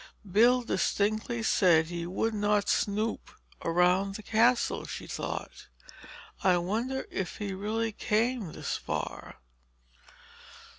"Bill distinctly said he would not snoop around the Castle," she thought. "I wonder if he really came this far?"